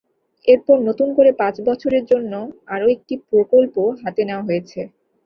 এরপর নতুন করে পাঁচ বছরের জন্য আরও একটি প্রকল্প হাতে নেওয়া হয়েছে।